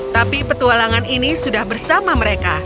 tapi petualangan ini sudah bersama mereka